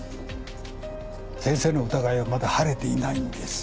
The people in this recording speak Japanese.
先生の疑いはまだ晴れていないんです。